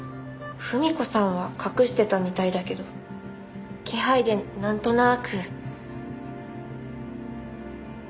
文子さんは隠してたみたいだけど気配でなんとなく。